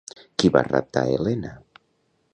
Qui va raptar Helena?